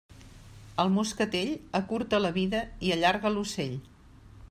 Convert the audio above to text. El moscatell acurta la vida i allarga l'ocell.